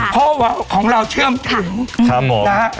เพราะว่าของเราเชื่อมถัง